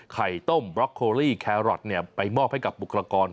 ไข่ต้มบล็อกโครี่แครอทไปมอบให้กับบุคลากร